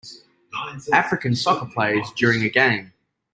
African soccer players during a game.